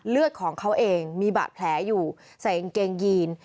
เลือดของเขาเองมีบาดแผลอยู่ใส่กางเกงยีน